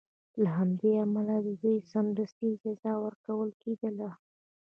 له همدې امله به دوی ته سمدستي جزا ورکول کېدله.